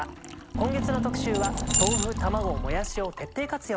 今月の特集は豆腐・卵・もやしを徹底活用。